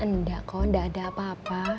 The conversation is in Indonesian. ndak kok ndak ada apa apa